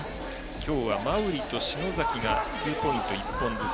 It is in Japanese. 今日は馬瓜と篠崎がツーポイント１本ずつ。